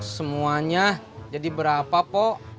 semuanya jadi berapa pok